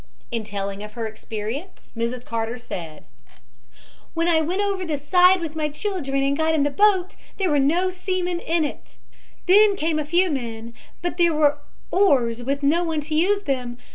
In telling of her experience Mrs. Carter said: "When I went over the side with my children and got in the boat there were no seamen in it. Then came a few men, but there were oars with no one to use them.